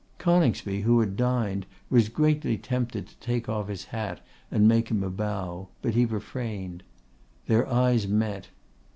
Coningsby, who had dined, was greatly tempted to take off his hat and make him a bow, but he refrained. Their eyes met.